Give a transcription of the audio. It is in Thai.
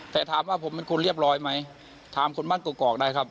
แต่ถามว่าผมเป็นคนเรียบร้อยไหมถามคนบ้านกรอกได้ครับ